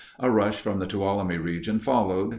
A rush from the Tuolumne Region followed.